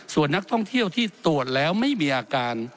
ส่วนนักท่องเที่ยวที่ตรวจแล้วไม่มีอาการ